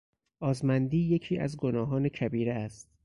آزمندی یکی از گناهان کبیره است.